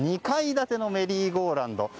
２階建てのメリーゴーラウンド。